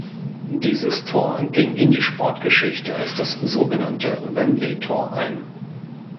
Dieses Tor ging in die Sportgeschichte als das sogenannte Wembley-Tor ein.